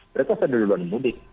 mereka sudah duluan mudik